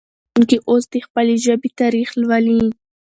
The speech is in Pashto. زده کوونکي اوس د خپلې ژبې تاریخ لولي.